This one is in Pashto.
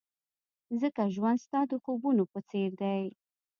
ځکه ژوند ستا د خوبونو په څېر دی.